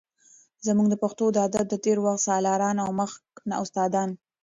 زمونږ د پښتو د ادب د تیر وخت سالاران او مخکښ استادان